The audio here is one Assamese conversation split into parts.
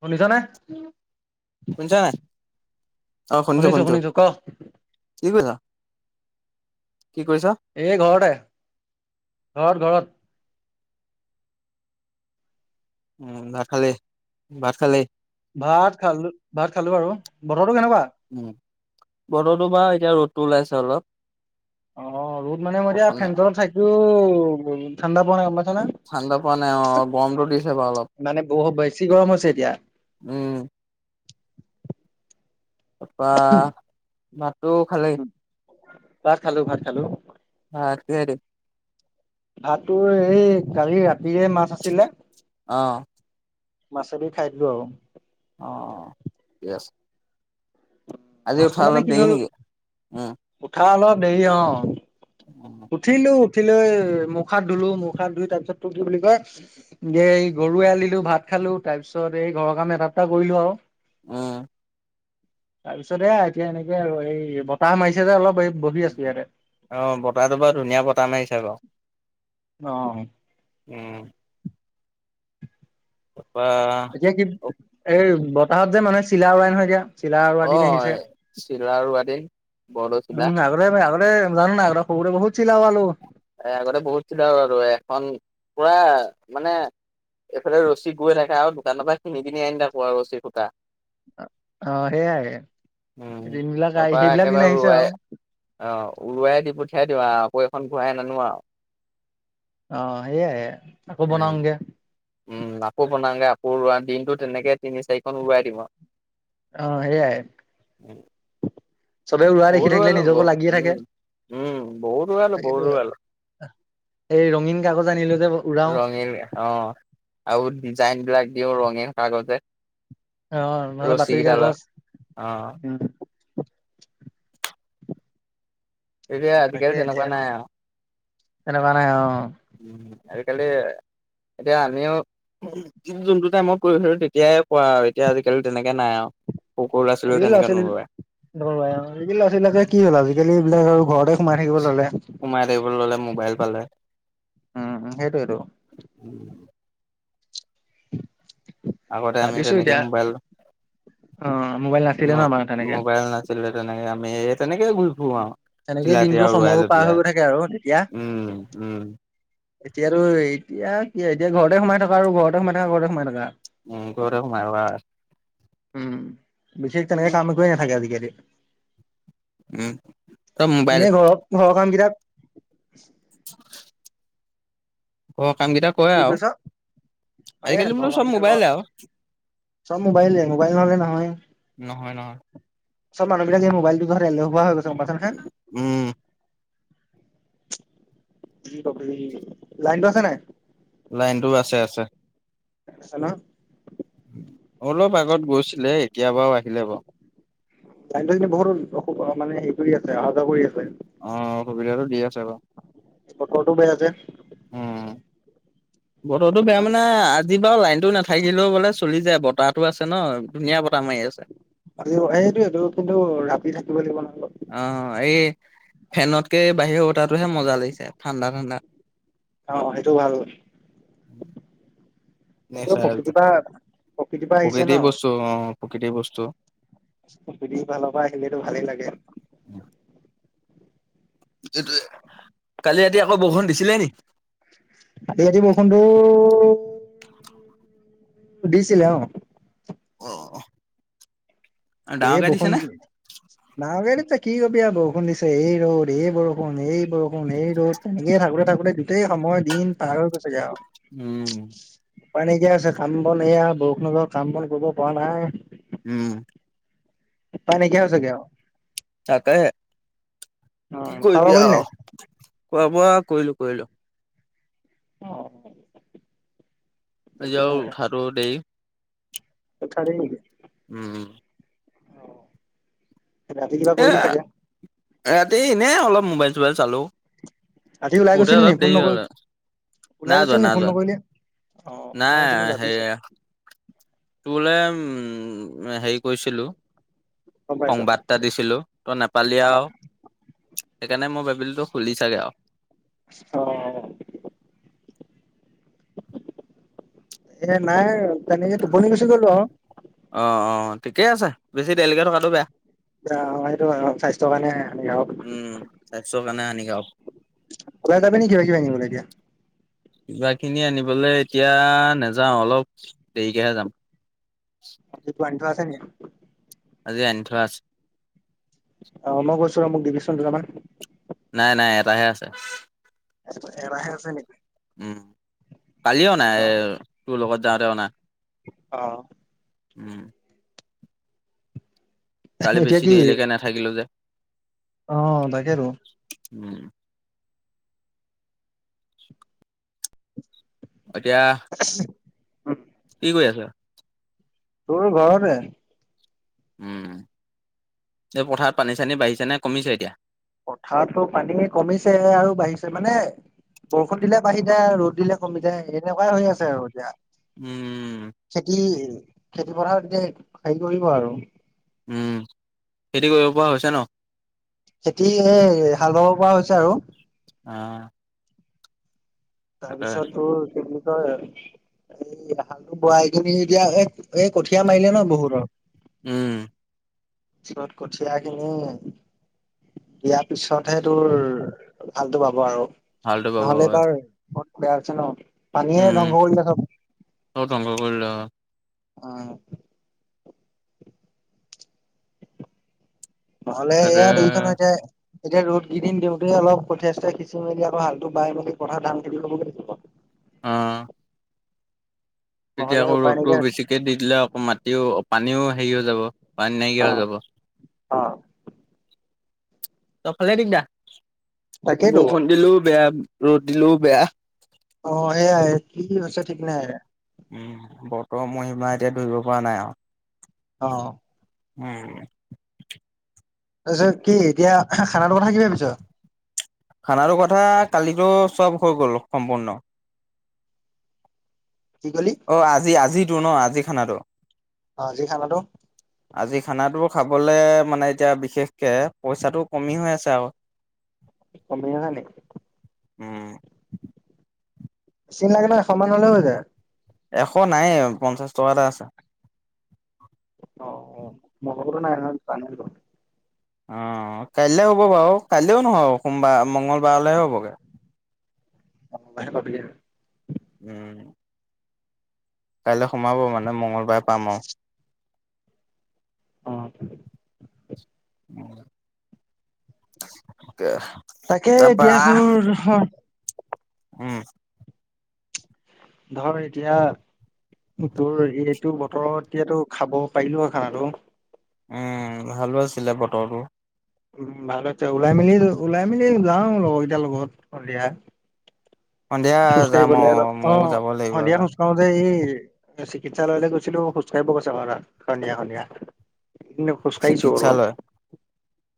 শুনিছানে। শুনিছা নাই? শুনিছো, শুনিছো ক। কি কৰিছা? কি কৰিছা? এই ঘৰত এ। ঘৰত ঘৰত। উম' ভাত খালি, ভাত খালি? ভাত খালো ভাত খালো আৰু বতৰটো কেনেকুৱা। বতৰতো বাৰু এতিয়া ৰ'দটো ওলাইছে অলপ। অ ৰ'দ মানে মই এতিয়া অকণে ফেনটলত থাকিও ঠাণ্ডা পোৱা নাই। ঠাণ্ডা পোৱা নাই অ' [unintelligible] গৰমটো দিছে বাৰু অলপ। মানে বহুত বেছি গৰম হৈছে এতিয়া। উম'। তাৰপৰা, ভাতটো খালেই। ভাত খালো। ভাত খালো। ভাত কিহেদি। ভাতটো এই, কালি ৰাতিৰে মাছ আছিলে। অ' মাছে দি খাই দিলো আৰু। অহ' থিকে আছে। উ আজি মাছটো উঠা মানে অলপ কি দেৰি হ'ল নেকি? উম, উঠা অলত। দেই অহ। উঠিলো। উঠি লৈ মুখা হাত ধুলো, মুখাত ধুই তাৰপিছতটো কি বুলি কয়, যে গৰু এল দিলো ভাত খাই। খালো তাৰপিছত এই ঘৰৰ কাম এটা এটা কৰিলো আৰু। উমহ তাৰপিছত এয়াই, এতিয়া এনেকে আৰু এই বতাহ মাৰিছে যে অলপ। বহি আছো ইয়াতে। অহ' বতাহটো বাৰু ধুনীয়া বতাহ মাৰিছে বাৰু। অ, উম। তাৰপা এতিয়া কি এই বতাহত যে মানুহে চিলা উৰুৱাই নহয় এতিয়া। চিলা উৰুৱা অ' দিন আহিছে। চিলা ৰোৱা দিন। বৰদৈচিলা। উম, আগতেই আগ [unintelligible] জানো নাই আগতে সৰুৰে বহুত চিলা উৰুৱালো। এ আগতে বহুত চিলা উৰুৱালো এখন, পুৰা মানে। এইফালে ৰছী গৈ থাকে আৰু দোকানৰ পৰা কিনি কিনি আনি থাকো আৰু ৰছীৰ সূতা। অহ' সেইয়া এ। উম' তাৰপৰা একেবাৰে উৰুৱাই, আৰু অহ উৰুৱাই দি প পঠাই দিওঁ আৰু আকৌ এখন ঘূৰাই আনো আৰু। অ সেয়াইে আকৌ উম। বনাওগে। উম আকৌ বনাওগে আকৌ দিনতো তেনেকে তিনি চাৰিখন ওৰৱাই দিম আৰু। অ হেই আই। উম। চবে উৰুৱা বহুত দেখি উৰুৱালো থাকিলে বহুত নিজকো লাগিয়ে উম থাকে। উম' বহুত উৰুৱালো তাকেতো বহুত এই ৰঙীন উৰুৱালো। কাগজ আনিলো যে উৰাও ৰঙীল অহ। আৰু ডিজাইন বিলাক দিওঁ ৰঙে কাগজে। আহ নহ'লে ৰছী বাতৰি কেইডালত। কাগজ অ উ। এতিয়া তাকে আজিকালি তেনেকুৱা এতিয়া নাই আৰু। তেনেকুৱা নাই অ উম। আজিকালি, এতিয়া আমিও। যোনটো টাইমত কৰিছিলো তেতিয়াই কৰা আৰু এতিয়া আজিকালি তেনেকে নাই আজিকালি ল'ৰা ছোৱালী আও। [unintelligible] আজিকালি ল'ৰা-ছোৱালীবিলাক কি হ'ল, আজিকালি এইবিলাক আৰু ঘৰতে সোমাই থাকিব ললে। সোমাই থাকিবলৈ ল'লে মোবাইল পালে। উম সেইটোৱেটো। আগতে আমি ভাবিছো তেনেকে এতিয়া মোবাইল অ মোবাইল ন, নাছিলে আমাৰ তেনেকে মোবাইল নছিল যে তেনেকে আমি তেনেকে ঘূৰি ফুৰোঁ আৰু তেনেকেই চিলাই দিনটো তিলাই উৱাই সময়বোৰ লৈ পাৰ হৈ পেলাই গৈ থাকে আৰু তেতিয়া উম উম। এতিয়াতো এতিয়া কি এতিয়া ঘৰতে সোমাই থকা আৰু ঘৰতে সোমাই থকা ঘৰতে সোমাই থকা। উম ঘৰতে সোমাই সোমাই আছোঁ। উম বিশেষ তেনেকে কাম কৰি নাথাকে আজিকালি। উম চব মোবাইল এনেই ঘৰৰ ঘৰৰ কাম কেইটা। [unintelligible] ঘৰৰ কাম কেইটা কৰে কি আৰু কৈছ হয়ে আজিকালি ঘৰৰ বোলো কাম চ'ব কেইটা কৰ মোবাইলে আৰু। চব মোবাইলে মোবাইল নহলে নহয়। নহয় নহয় চব মানুহবিলাক এই মোবলটোৰ কাৰণে এলেহুৱা হৈ গৈছে। উম। ক লাইনটো আছে নাই। লাইনটোও আছে আছে। আছে নহ। অলপ আগত গৈছিলে এতিয়া বাৰু আহিলে বাৰু। লাইনটো কিন্তু বহুতো অস মানে হেৰি কৰি আছে। যোৱা কৰি আছে অ অসুবিধাটো দি আছে বাৰু। বতৰটো বেয়া যে। উম। বতৰটো সেইটো বেয়া কাৰণে। মানে আজি বাৰু লাইন টো নাথাকিলেও বোলে চলি যায় বতাহটো আছে ন ধুনীয়া বতাহ মাৰি আছে। আজি সেইটোৱেটো কিন্তু ৰাতি থাকিব লাগিব নহ। অ', এই ফেনতকে বাহিৰৰ বতাহটোহে মজা লাগিছে ঠাণ্ডা ঠাণ্ডা। অ সেইটো ভাল। উম নে এইটো চাই প্ৰকৃতিৰ পৰা পৰা আহিছে ন প্ৰকৃতিৰ বস্তু অ প্ৰকৃতিৰ বস্তু। ক ফালৰ পৰা আহিলেতো ভালেই লাগে। সেইটোৱে কালি ৰাতি আকৌ বৰষুণ দিছিলে নি ইয়াতি বৰষুণতো দিছিলে অ। অহ' এই বৰষুণ ডাঙৰ কে দিছে কি বেয়া বৰষুণ দিছে, এই ৰ'দ, এই বৰষুণ, এই বৰষুণ, এই ৰ'দ এনেকে থাকোতে থাকোতে গোটই সময় দি টিন পাৰ হৈ গৈছে গে আৰু। উম। উপায় নাইকিয়া হৈছে কাম বন এইয়া বৰষুণৰ বতৰত কাম বন কৰিব পৰা নাই। উম। উপায় নাইকিয়া হৈছে গে আৰু। তাকেহে কি অ', খোৱা বোৱা কৰিবি কৰিলি নাই? আৰু খোৱা বোৱা? কৰিলোঁ। কৰিলোঁ। অ'। আজি আও উঠাটো দেৰি। উঠা দেৰি নেকি? উম। ৰাতি কিবা এ কৰিলি চাগে ৰাতি এনে অলপ মোবাইল চোবাইল চালোঁ। ৰাতি ওলাই খোৰুতে গৈছিলি নি অলপ ফোন দেই নকৰি হ'ল। ওলাই নাই যোৱা, গৈছিলি নি নাই ফোন যোৱা, নকৰিলি? অ' মই ভাবিছিলোঁ নাই ভাবি হেই। চাগে তোলে উম, হেৰি কৰিছিলোঁ। গম পাইছোঁ সংবাদটা দিছিলো তই নাপালিয়া। অ' সেইকাৰণে মই ভাবিলোঁ খুলি চাগে আহ। এ নাই তেনেকে টোপনিৰ গুচি গলোঁ আহ। ঠিকেই আছে, বেছি দেৰিলৈকে থকাটো বেয়া। পিছে অ'সেইটো হয়, অ' স্বাস্থ্য কাৰণে হানিকাৰক। অ' ওলাই যাবি নেকি কিবা কিবা আনিবলে এতিয়া। কিবা কিনি আনিবলৈ এতিয়া নাযাওঁ। অলপ দেৰিকেহে যাম। [unintelligible] কিবা আনি ঠোৱা আছে নেকি? আজি আনি থোৱা আছে। চোৰা মোক দিবিচোন দুটা মান। নাই, নাই, এটাহে আছে। এহছেকচ এটা আছে নেকি? উম, কালি অনা এ অ' তোৰ লগত যাওঁতে অনা। অহ' উম। কালি এতিয়া বেছি কি দেৰিলৈকে নাথাকিলো যে। অ' তাকেটো। উম। এতিয়া উম। কি কৰি আছা? তোৰ ঘৰতে। উম, এই পথাৰত পানী-চানী বাঢ়িছে নে কমিছে এতিয়া? পথাৰতো পানী কমিছে আৰু বাঢ়িছে মানে বৰষুণ দিলে বাঢ়ি যায় ৰ'দ দিলে কমি যায় এনেকুৱাই হৈ আছে আৰু এতিয়া। উম। খেতি খেতি পাথাৰত এতিয়া হেৰি কৰিব আৰু উম, খেতি কৰিব পৰা হৈছে ন? খেতি হে হাল বাব পৰা হৈছে আৰু। আহ। তাৰপিছত তোৰ এই হাল বোৱা কিনি এতিয়া এই এই কঠিয়াঁ মাৰিলে ন বহুতৰ। উম। পিছত কঠিয়াঁখিনি দিয়াৰ পিছতহে তোৰ হালতো বাব আৰু। ভালটো পাব ন'হলে হয়। এইবাৰ মন বেয়া হৈছে ন। পানীয়ে উম। ধ্বংস কৰিলে চব। চব ধ্বংস কৰিলে হয়। অ'। ন'হলে তাতে এয়া দেখিছ নহয় এতিয়া এতিয়া ৰ'দ কেইদিন দিওঁতে অলপ কঠিয়াঁ সিঁচি মেলি আৰু হালটো বাই মেলি পথাৰ ধান খেতি কৰিব লাগিব। অ'। তেতিয়া নহ'লে আকৌ উপায় ৰ'দতটো নাইকিয়া হৈছে। বেছিকে দি দিলে আকৌ মাটিও পানীও হেৰি হৈ যাব। পানী নাইকিয়া হৈ অ', যাব। অ', চবফালে দিগদাৰ তাকেইতো বৰষুণ দিলেও বেয়া। ৰ'দ দিলেও বেয়া। অ' এয়াই কি হৈছে ঠিক নাই। উম' বতৰ মহিমা এতিয়া ধৰিব পৰা নাই আৰু অ'। উম'। তাৰপিছত কি এতিয়া খানাটো কথা কি ভাবিছ? খানাটো কথা কালিতো চব হৈ গ'ল সম্পূৰ্ণ। [inaudible] কি ক'লি? অ' আজি আজিটোৰ ন' আজি খানাটো? অ' আজি খানাটো? আজি খানাটো খাবলৈ মানে এতিয়া বিশেষকে পইচাটো কমি হৈ আছে আৰু [inaudible] কমি হৈছে নেকি? উম'। চিন লাগে নহয় সমান হ'লেও হৈ যায়। এশ নাই পঞ্চাশ টকাতেটা আছে। অ, ' অ' মোৰ নাই চান অ' কাইলে হ'ব বাৰু কাইলৈও নহয় সোমবাৰ মংগলবাৰলৈহে হ'বগৈ। [unintelligible] [unintelligible] উম কাইলৈ সোমাব মানে মঙলবাৰে পাম আৰু অ' দে তাকে এতিয়া তাৰাপৰা তোৰ উম' ধৰ এতিয়া তোৰ এইটো বতৰত এতিতো খাব পাৰিলো আৰু খানাটো? উম' ভাল আছিলে বতৰটো। উম' ভাল হৈছে ওলাই মেলি ওলাই মেলি যাওঁ লগৰকেইটাৰ লগত সন্ধিয়া। সন্ধিয়া খোজ যাম অ কাঢ়িবলৈলে অলপ ময়ো অ' যাব লাগিব সন্ধিয়া এবাৰ খোজ কাঢ়োতে এই চিকিৎসালয়লৈ গৈছিলো খোজ কঢ়িব গৈছ ঘৰা ঘনিয় ঘনিয়া। ইনে খচ কাইছ বোলো। চিকিৎসালয়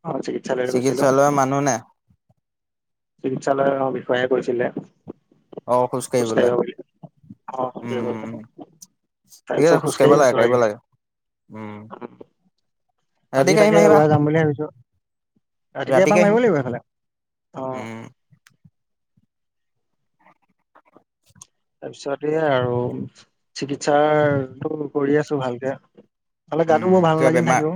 অ' চিকিৎসালয় গৈছিলো, চিকিৎসালয়ৰ মানুহ নাই চিকিৎসালয়ৰ বিষয়ে কৰিছিলে অ খোজ খোঁচ কাঢ়িবলে কাহিব বুলি অ' উম ঠিক তইচব আছে খোজ কাঢ়িব খোজকাঢ়ি লাগে আছো। কাঢ়িব লাগে উম আজি ৰাতিকে তাকে আহিম আহিবা ওলাই যাম বুলি ভাবিছো। ৰাতিপুৱা এপাক ৰাতিকে মাৰিব আহিম লাগিব এইফালে। অ'। উম [unintelligible] তাৰপিছতে এ আৰু চিকিৎসাৰ টো কৰি আছোঁ ভালকে। তলে গাটো উম বৰ ভাল কিবা লাগি বেমাৰ নথাকে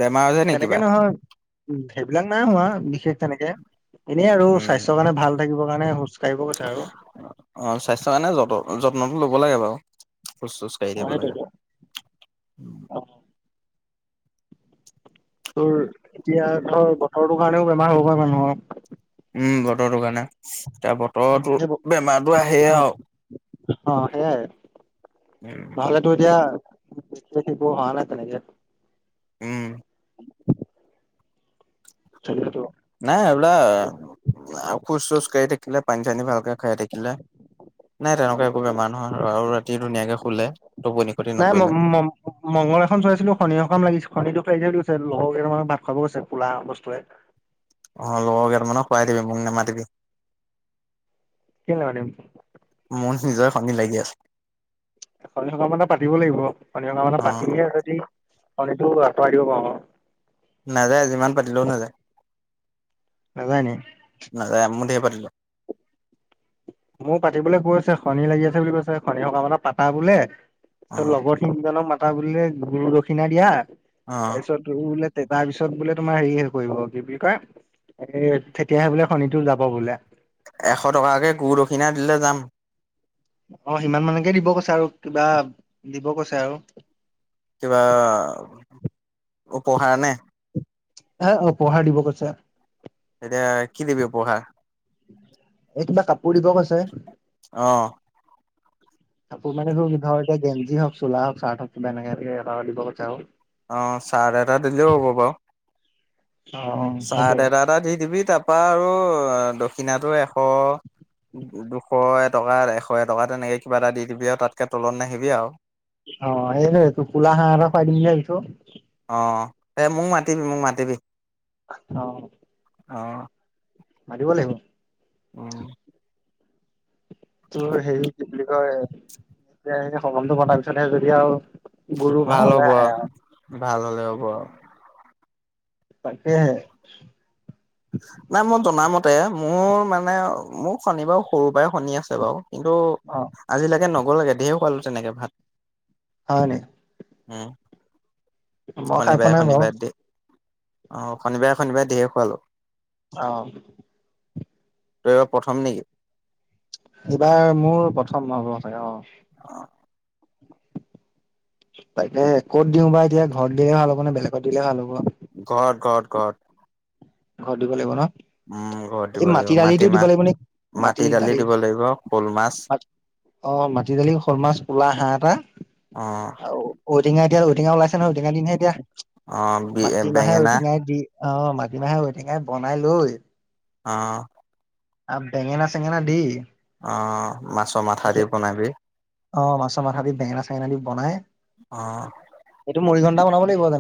বেমাৰ হৈছে নেকি কিবা তেনেকে নহয় উ' সেইবিলাক নাই হোৱা বিশেষ তেনেকে এনে আৰু উম স্বাস্থ্যয় কাৰণে ভাল থাকিব কাৰণে খোজ কাঢ়িব কৈছে আৰু অ' স্বাস্থ্যৰ কাৰণে যত যত্নটো ল'ব লাগে বাৰু ফুজ চোজ কাঢ়ি অ', দিব লাগে। সেইটোৱেটো অ'। তোৰ এতিয়া ধৰ বতৰটো কাৰণেও বেমাৰ হ'ব পাৰে মানুহৰ। উম বতৰটো কাৰণে এতিয়া উম, বতৰটো সেই ব- বেমাৰতো আহে অ', আৰু। অ' সেইয়াই উম, নহলেতো এতিয়া বিশেষ একো হোৱে নাই তেনেকে। উম'। তাকে টো। নাই এইবিলাক খোজ চোজ কাঢ়ি থাকিলে পানী চানী ভালকে খাই থাকিলে নাই তেনেকুৱা একো বেমাৰ নহয় আৰু ৰাতি ধুনীয়াকে শুলে টোপনি ক্ষতি নকৰিলে। মোৰ এখন চোৱাইছিলো শনিৰ সকাম লাগিছিল শনিৰ দুখ লাগিছে বুলি কৈছে লগৰ কেইটামান ক ভাত খোৱাব কৈছে কোলা বস্তুৱে। অ' লগৰ কেইটামানক খুৱাই দিবি মোক নেমাটিবি। কিয় নামাটিম? মোৰ নিজৰে শনি লাগি আছে। শনি সকাম এটা পাতিব লাগিব শনি সকাম এটা অ', পাতিলেহে যদি শনিটো আতৰাই দিব পাওঁ আৰু। নাযায় যিমান পাতিলেও নাযায়, নাজায় নি? নাযায় মোৰ ধেৰ পাতিলোঁ। উ [unintelligible] মোৰ পাতিবলে কৈছে শনি লাগি আছে বুলি কৈছে শনি সকাম এটা পাতা বোলে তাৰপিছত অ', লগৰ তিনজনক মাতা বোলে গুৰু দক্ষিণা দিয়া অ', তাৰ পিছত বোলে তে তাৰ পিছত বোলে তোমাৰ হেৰি হেৰি কৰিব কি বুলি কয় এ তেতিয়াহে বোলে শণিটো যাব বোলে। এশ টকাকে গুৰু দক্ষিণা দিলে যাম। অ', সিমান মানকে দিব কৈছে আৰু কিবা দিব কৈছে আৰু। কিবা উপহাৰ নে? এ অ', উপহাৰ দিব কৈছে। এতিয়া কি দিবি উপহাৰ? এই কিবা কাপোৰ দিব কৈছে। অ'। কাপোৰ মানে ধ-ধৰ এতিয়া গেঞ্চি হওঁক চোলা হওঁক চাৰ্ট হওঁক এনেক এ দিব কৈছে আও। অ', চাৰ্ট এটা দিলেও হ'ব বাৰু। অ অ চাৰ্ট সেইটোৱে এটা এটা দি দিবি তাত কপা আৰু দক্ষিণাটো এশ দুশ টকা এশ এ টকা তেনেকে কিবা এটা দি দিবি আৰু তাতকে তলত নাহিবি আৰু। অ', এই টোফোলা হাঁহ এটা খুৱাই দিম বুলি ভাবিছোঁ। অ', তে মোক মাতিবি, মোক মাতিবি। অ'। অ'। মতিব লাগিব। উম। তোৰ হেৰি কি বুলি কয় [inaudible] এনেকে সগমটো মনাৰ পিছত যদি আৰু গুৰু ভাল ভাললে হ'ব, আহে আৰু। ভাল হ'লে হ'ব। তাকেহে। নাই মই জনামতে মোৰ মানে মোৰ শণি বাৰু সৰু পৰাই শনি আছে বাৰু। কিন্তু অ আজিলৈকে নগ'ল লাগে ঢেৰ খালোঁ তেনেকে ভাত। হয় নি? উম, মই খাই পোৱা শনিবাৰে নাই বাৰু শনিবাৰ দি। অ', শনিবাৰে শনিবাৰে দিয়ে খোৱালোঁ। অ'। তেবাৰ প্ৰথম নি? এইবাৰ মোৰ প্ৰথম [unintelligible] চাগে অ'। অ'। তাকে ক'ত দিওঁ বা এতিয়া ঘৰত দিলে ভাল হ'ব নে বেলেগত দিলে ভাল হ'ব। ঘৰত, ঘৰত, ঘৰত। ঘৰত দিব লাগিব ন'? উম, ঘৰত এই দিব লাগিব মাটি দালিটো দিব মাটিমাহ, লাগিব নে মাটি দালি দিব লাগিব শ'ল মাছ। অ', মাটি দালি, শ'ল মাছ, ক'লা হাঁহ এটা অ', আৰু ঔটেঙা তিয়া ঔটেঙা ওলাইছে নহয় ঔটেঙা দিনহে এতিয়া অ', বি মাটি মাহে বেঙেনা ঔটেঙাই দি অ মাটিমাহে ঔটেঙাই বনাই লৈ অহ। আ বেঙেনা চেঙেনা দি অহ মাছৰ মাথা তেতিয়া দি বনাবি। অ মাছৰ মাথা দি বেঙেনা চেঙেনা দি বনাই অহ না বনাব লাগিব তেনে